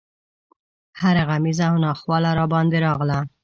هره غمیزه او ناخواله راباندې راغله.